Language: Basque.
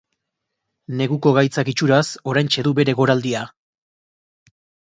Neguko gaitzak, itxuraz, oraintxe du bere goraldia.